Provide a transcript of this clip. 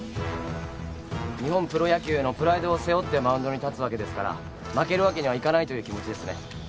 日本プロ野球のプライドを背負ってマウンドに立つわけですから負けるわけにはいかないという気持ちですね。